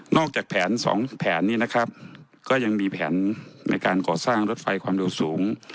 จากแผนสองแผนนี้นะครับก็ยังมีแผนในการก่อสร้างรถไฟความเร็วสูง